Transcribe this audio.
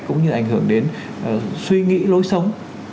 cũng như ảnh hưởng đến suy nghĩ lối sống